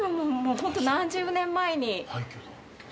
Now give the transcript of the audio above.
本当何十年前に。